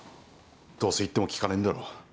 どうせ言っても聞かないんだろう。